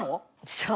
そう。